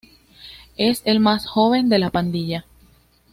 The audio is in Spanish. Es el más joven de la pandilla.